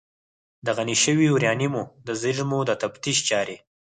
د غني شویو یورانیمو د زیرمو د تفتیش چارې